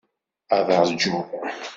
Ad ṛjuɣ.